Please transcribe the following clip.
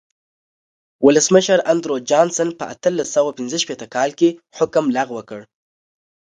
ولسمشر اندرو جانسن په اتلس سوه پنځه شپېته کال کې حکم لغوه کړ.